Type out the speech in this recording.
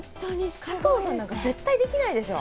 加藤さんなんか、絶対できないでしょう。